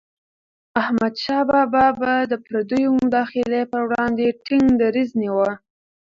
احمدشاه بابا به د پردیو مداخلي پر وړاندې ټينګ دریځ نیوه.